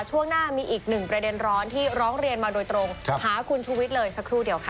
ช่วงหน้ามีอีกหนึ่งประเด็นร้อนที่ร้องเรียนมาโดยตรงหาคุณชูวิทย์เลยสักครู่เดียวค่ะ